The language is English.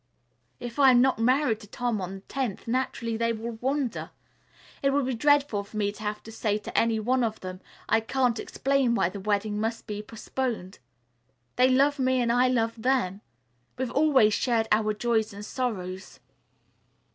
"If I am not married to Tom on the tenth, naturally they will wonder. It would be dreadful for me to have to say to any one of them, 'I can't explain why the wedding must be postponed.' They love me and I love them. We've always shared our joys and sorrows.